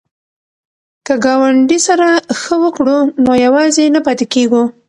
که ګاونډي سره ښه وکړو نو یوازې نه پاتې کیږو.